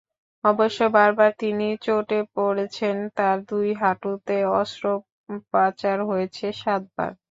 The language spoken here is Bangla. অবশ্য বারবার তিনি চোটে পড়েছেন, তাঁর দুই হাঁটুতে অস্ত্রোপচার হয়েছে সাতবার।